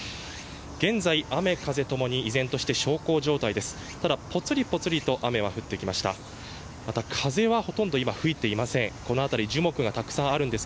現在、雨・風ともに依然として小康状態です。